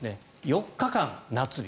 ４日間、夏日。